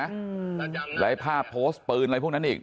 อืมณธรรมแบบนี้และภาพโพสต์ปืนอะไรพวกนั้นอีก